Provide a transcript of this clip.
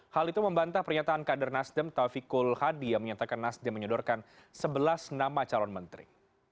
hal itu membantah pernyataan kader nasdem taufikul hadi yang menyatakan nasdem menyodorkan sebelas nama calon menteri